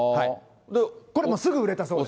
これもすぐ売れたそうです。